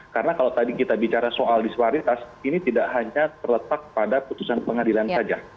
karena kalau tadi kita bicara soal disparitas ini tidak hanya terletak pada putusan pengadilan saja